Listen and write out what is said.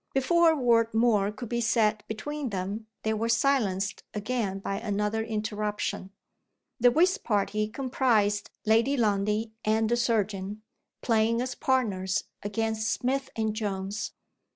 Before a word more could be said between them they were silenced again by another interruption. The whist party comprised Lady Lundie and the surgeon, playing as partners against Smith and Jones.